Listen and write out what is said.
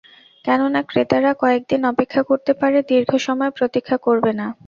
কেননা ক্রেতারা কয়েক দিন অপেক্ষা করতে পারে, দীর্ঘ সময় প্রতীক্ষা করবে না।